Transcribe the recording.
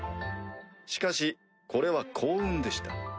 しかしこれは幸運でした。